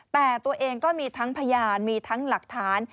แต่ตัวเองก็มีทั้งพยานมีทั้งหลักฐาน